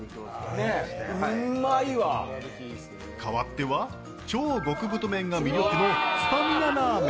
変わっては超極太麺が魅力のスタミナラーメン。